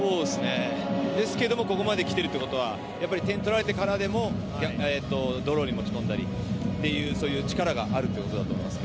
ですけれどもここまで来てるということは点を取られてからでもドローに持ち込んだりという力があるってことだと思います。